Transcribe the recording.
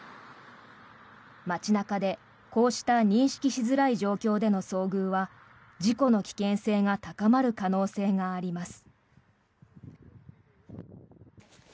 街中で、こうした認識しづらい状況での遭遇は事故の危険性が高まる可能性があります。